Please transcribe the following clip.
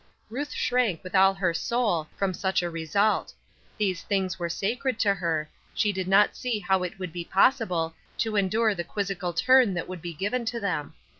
Ruth shrank with all her soul from such a result; these things were sacred to her; she did not see how it would be possible to endure the quizzical turn that would be given to them.